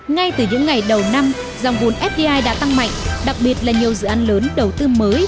ngay từ những ngày đầu năm dòng vốn fdi đã tăng mạnh đặc biệt là nhiều dự án lớn đầu tư mới